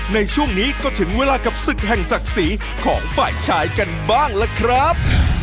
ในช่วงนี้ก็ถึงเวลากับศึกแห่งศักดิ์ศรีของฝ่ายชายกันบ้างล่ะครับ